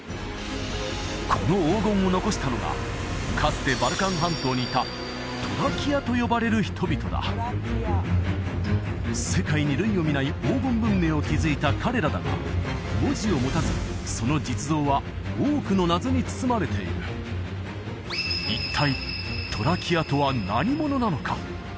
この黄金を残したのがかつてバルカン半島にいたトラキアと呼ばれる人々だ世界に類を見ない黄金文明を築いた彼らだが文字を持たずその実像は多くの謎に包まれている一体トラキアとは何者なのか？